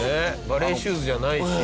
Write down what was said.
バレエシューズじゃないし。